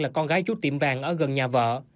là con gái trú tiệm vàng ở gần nhà vợ